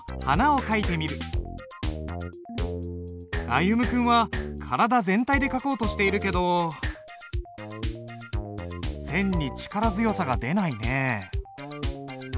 歩夢君は体全体で書こうとしているけど線に力強さが出ないね。